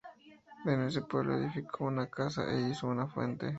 En ese pueblo edificó una casa e hizo una fuente.